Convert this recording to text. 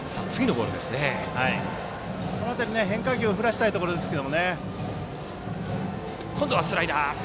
この辺り、変化球を振らせたいところですが。